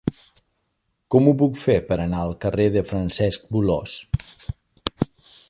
Com ho puc fer per anar al carrer de Francesc Bolòs?